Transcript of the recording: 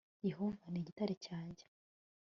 Yehova ni igitare cyanjye